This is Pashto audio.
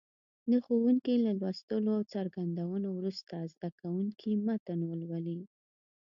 د ښوونکي له لوستلو او څرګندونو وروسته زده کوونکي متن ولولي.